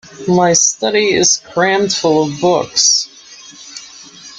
My study is crammed full of books.